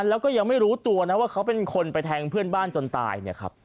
แล้วก็ยังไม่รู้ตัวนะว่าเขาเป็นคนไปแทงเพื่อนบ้านจนตายเนี่ยครับ